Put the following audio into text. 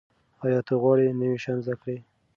ایا ته غواړې نوي شیان زده کړې؟